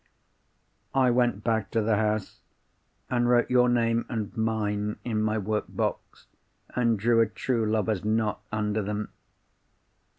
_ "I went back to the house, and wrote your name and mine in my work box, and drew a true lovers' knot under them.